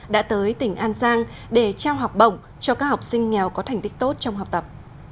đã tới tỉnh an giang để trao học bổng cho các học sinh nghèo có thành tích tốt trong học tập